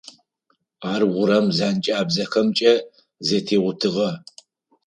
Ар урам зэнкӏабзэхэмкӏэ зэтеутыгъэ.